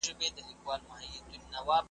په پردیو وزرونو ځي اسمان ته ,